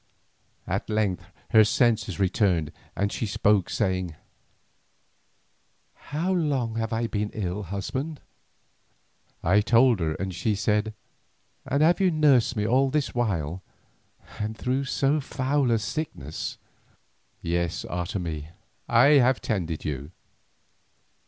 At length her senses returned and she spoke, saying: "How long have I lain ill, husband?" I told her and she said, "And have you nursed me all this while, and through so foul a sickness?" "Yes, Otomie, I have tended you."